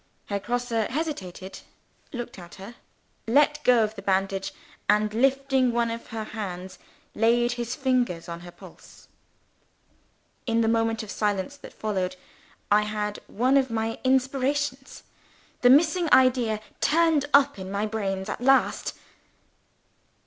Herr Grosse hesitated looked at her let go of the bandage and lifting one of her hands, laid his fingers on her pulse. In the moment of silence that followed, I had one of my inspirations. The missing idea turned up in my brains at last.